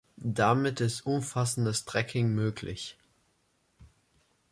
Damit ist umfassendes Tracking möglich.